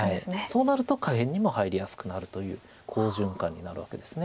そうなると下辺にも入りやすくなるという好循環になるわけです。